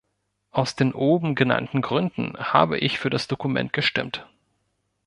Aus den oben genannten Gründen habe ich für das Dokument gestimmt.